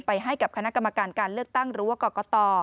ให้กับคณะกรรมการการเลือกตั้งหรือว่ากรกต